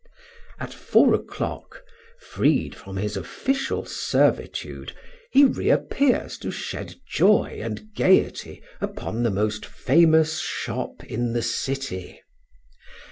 At four o'clock, freed from his official servitude, he reappears to shed joy and gaiety upon the most famous shop in the city.